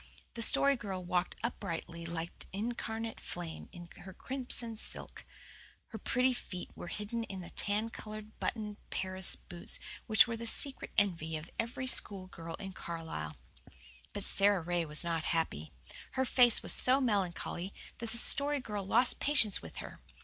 The Story Girl walked uprightly like an incarnate flame in her crimson silk. Her pretty feet were hidden in the tan coloured, buttoned Paris boots which were the secret envy of every school girl in Carlisle. But Sara Ray was not happy. Her face was so melancholy that the Story Girl lost patience with her.